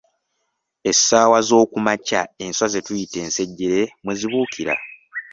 Essaawa zookumakya enswa ze tuyita ensejjere mwe zibuukira.